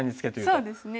そうですね。